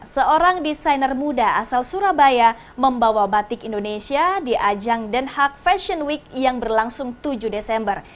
seorang desainer muda asal surabaya membawa batik indonesia di ajang den haag fashion week yang berlangsung tujuh desember